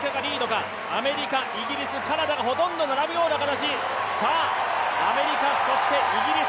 アメリカ、イギリス、カナダがほとんど並ぶような形。